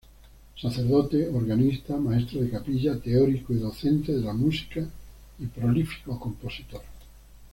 Sacerdote, organista, maestro de capilla, teórico y docente de la música y prolífico compositor.